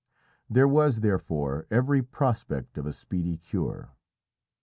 There was, therefore, every prospect of a speedy cure.